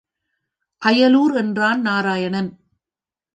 அயலூர் என்றான் நாராயணன்.